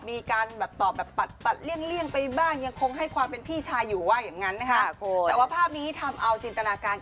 มีการแบบตอบแบบปัดเลี่ยงไปบ้างยังคงให้ความเป็นพี่ชายอยู่ว่าอย่างนั้นนะคะ